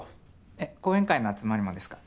えっ後援会の集まりもですか？